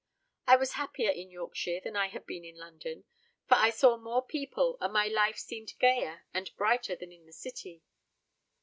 I was happier in Yorkshire than I had been in London; for I saw more people, and my life seemed gayer and brighter than in the city.